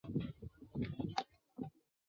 短序落葵薯为落葵科落葵薯属的植物。